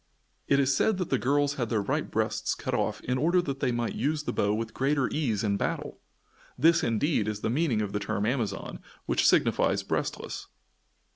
It is said that the girls had their right breasts cut off in order that they might use the bow with greater ease in battle! This, indeed, is the meaning of the term Amazon, which signifies "breastless."